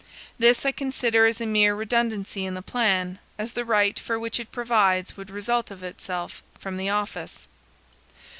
This I consider as a mere redundancy in the plan, as the right for which it provides would result of itself from the office.